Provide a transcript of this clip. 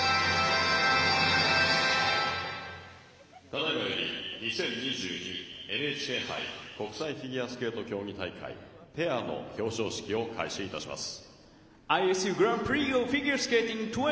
ただいまより２０２２ＮＨＫ杯国際フィギュアスケート競技大会ペアの表彰式を開始いたします。